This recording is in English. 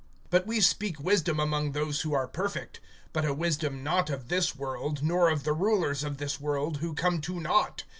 (6)But we speak wisdom among those who are perfect; but a wisdom not of this world, nor of the rulers of this world, who come to naught.